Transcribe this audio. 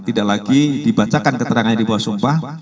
tidak lagi dibacakan keterangannya di bawah sumpah